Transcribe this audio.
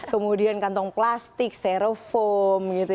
kemudian kantong plastik sero foam gitu ya